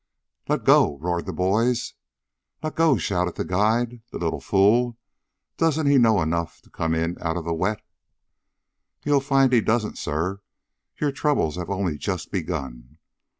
"Leggo!" roared the boys. "Let go!" shouted the guide. "The little fool! Doesn't he know enough to come in out of the wet?" "You'll find he doesn't, sir. Your troubles have only just begun.